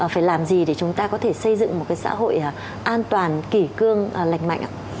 phải làm gì để chúng ta có thể xây dựng một cái xã hội an toàn kỷ cương lành mạnh ạ